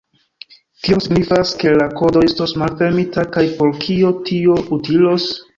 Kion signifas ke la kodo estos malfermita, kaj por kio tio utilos?